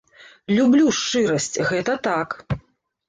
Люблю шчырасць, гэта так!